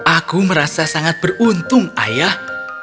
aku merasa sangat beruntung ayah